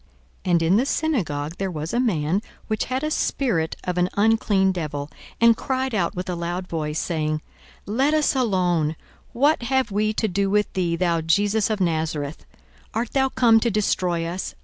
42:004:033 And in the synagogue there was a man, which had a spirit of an unclean devil, and cried out with a loud voice, 42:004:034 Saying, Let us alone; what have we to do with thee, thou Jesus of Nazareth? art thou come to destroy us?